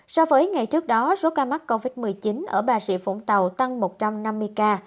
so với ngày trước đó số ca mắc covid một mươi chín ở bà rịa vũng tàu tăng một trăm năm mươi ca